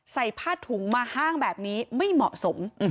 ใส่ผ้าถุงมาห้างแบบนี้ไม่เหมาะสม